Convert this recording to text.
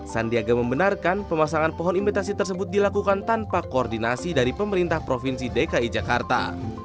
sandiaga membenarkan pemasangan pohon imitasi tersebut dilakukan tanpa koordinasi dari pemerintah provinsi dki jakarta